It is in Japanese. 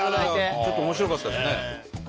ちょっと面白かったですね。